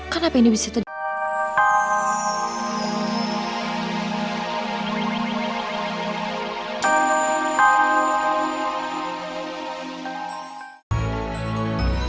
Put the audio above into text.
kenapa ini bisa terjadi